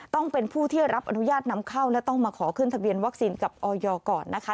ต้องเป็นผู้ที่รับอนุญาตนำเข้าและต้องมาขอขึ้นทะเบียนวัคซีนกับออยก่อนนะคะ